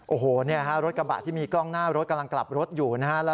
โอ้โหรถกระบะที่มีกล้องหน้ารถกำลังกลับรถอยู่นะฮะ